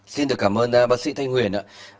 xin được cảm ơn bác sĩ thanh nguyễn